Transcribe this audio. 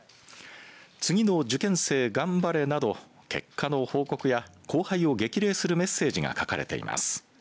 次の受験生、頑張れなど結果の報告や後輩を激励するメッセージが書かれています。